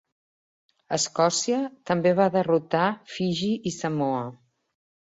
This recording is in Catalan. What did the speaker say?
Escòcia també va derrotar Fiji i Samoa.